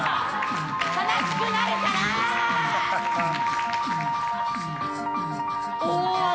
悲しくなるからっ！